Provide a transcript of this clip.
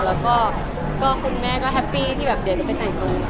แล้วก็คุณแม่ก็แฮปปี้ที่เดินไปไหนกู